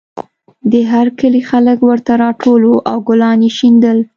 د هر کلي خلک ورته راټول وو او ګلان یې شیندل